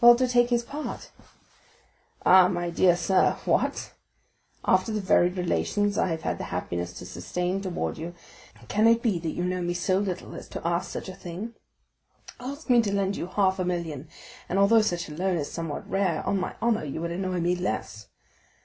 "Well, to take his part." "Ah, my dear sir! What?—after the varied relations I have had the happiness to sustain towards you, can it be that you know me so little as to ask such a thing? Ask me to lend you half a million and, although such a loan is somewhat rare, on my honor, you would annoy me less!